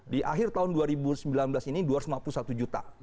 di akhir tahun dua ribu sembilan belas ini dua ratus lima puluh satu juta